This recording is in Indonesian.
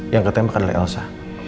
yang ketembak adalah elsa